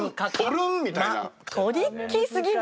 トリッキーすぎる。